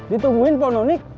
ditungguin pak nonik